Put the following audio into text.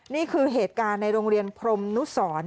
นี่คือเหตุการณ์ในโรงเรียนพรมนุสร